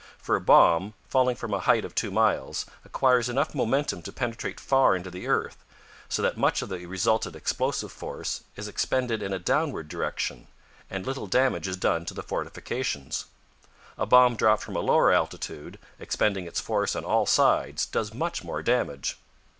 For a bomb, falling from a height of two miles, acquires enough momentum to penetrate far into the earth, so that much of the resultant explosive force is expended in a downward direction, and little damage is done to the fortifications. A bomb dropped from a lower altitude, expending its force on all sides, does much more damage.